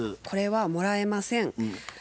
これはもらえません。